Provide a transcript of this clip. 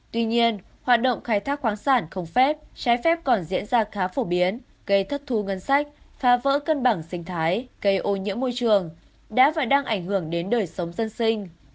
tuy nhiên hoạt động khai thác khoáng sản không phép trái phép còn diễn ra khá phổ biến gây thất thu ngân sách phá vỡ cân bằng sinh thái gây ô nhiễm môi trường đã và đang ảnh hưởng đến đời sống dân sinh